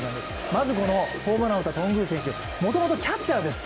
まずホームランを打った頓宮選手、もともとキャッチャーです。